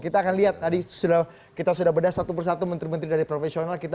kita akan lihat tadi sudah kita sudah berdasar tumpu satu menteri menteri dari profesional kita